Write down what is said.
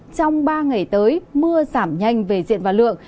trong ba ngày tới mưa giảm nhanh về diện và lượng